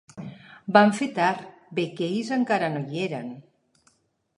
Vam fer tard, bé que ells encara no hi eren.